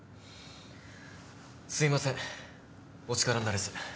すいませんお力になれず。